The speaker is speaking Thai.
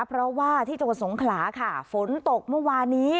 เพราะว่าที่จังหวัดสงขลาค่ะฝนตกเมื่อวานี้